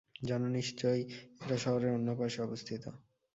জানো নিশ্চয়ই, এটা শহরের অন্যপাশে অবস্থিত।